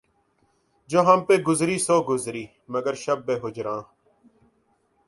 جو ہم پہ گزری سو گزری مگر شب ہجراں